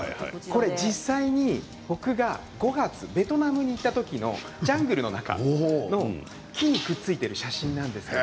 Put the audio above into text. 実際に僕が５月ベトナムに行った時のジャングルの中の木にくっついている写真です。